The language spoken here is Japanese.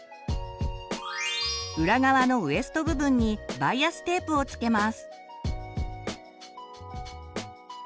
裏側のウエスト部分にバイアステープを付けます。